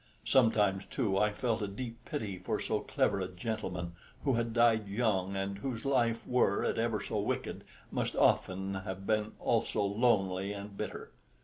Sometimes, too, I felt a deep pity for so clever a gentleman who had died young, and whose life, were it ever so wicked, must often have been also lonely and bitter.